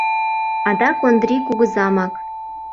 Адак Ондри кугызамак.